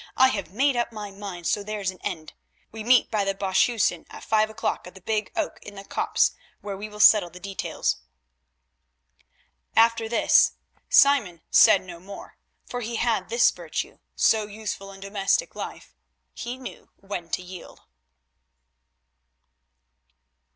"I have made up my mind, so there's an end. We meet by the Boshhuysen at five o'clock at the big oak in the copse, where we will settle the details." After this Simon said no more, for he had this virtue, so useful in domestic life—he knew when to yield.